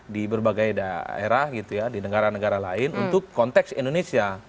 di berbagai daerah gitu ya di negara negara lain untuk konteks indonesia